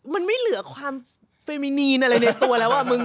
มันไม่เหลือความเฟมินีนอะไรในตัวแล้วอะ